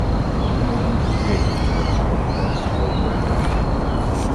Hiermee dient ook rekening te worden gehouden tijdens de komende onderhandelingen.